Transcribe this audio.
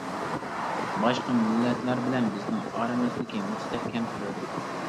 باشقا مىللەتلەر بىلەن بىزنىڭ ئارىمىزدىكى مۇستەھكەم كۆۋرۈك.